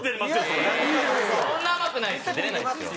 そんな甘くないですよ。